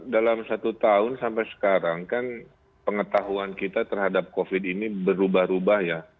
dalam satu tahun sampai sekarang kan pengetahuan kita terhadap covid ini berubah ubah ya